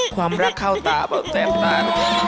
ความรักเข้าตาแปิ๊ปตา